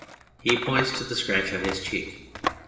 (He points to the scratch on his cheek.)